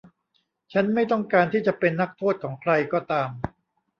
ฉันไม่ต้องการที่จะเป็นนักโทษของใครก็ตาม